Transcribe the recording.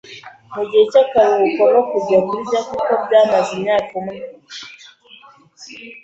mu gihe cy’akaruhuko no kujya kurya kuko byamaze imyaka umwe.